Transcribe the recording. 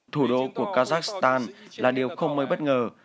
thủ đô của kazakhstan là điều không mới bất ngờ